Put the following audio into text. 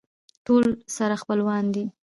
ټول سره خپلوان دي.